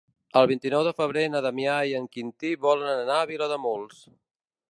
El vint-i-nou de febrer na Damià i en Quintí volen anar a Vilademuls.